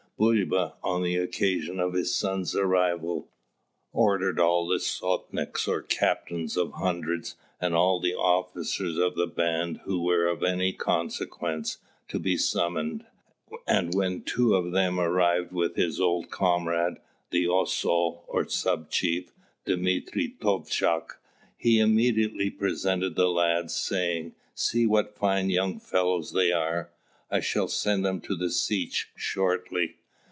Bulba, on the occasion of his sons' arrival, ordered all the sotniks or captains of hundreds, and all the officers of the band who were of any consequence, to be summoned; and when two of them arrived with his old comrade, the Osaul or sub chief, Dmitro Tovkatch, he immediately presented the lads, saying, "See what fine young fellows they are! I shall send them to the Setch (2) shortly."